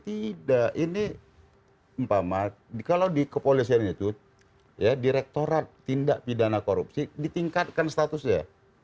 tidak ini mpamar kalau di kepolisian itu ya direktorat tindak pidana korupsi ditingkatkan statusnya